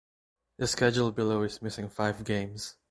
The schedule below is missing five games.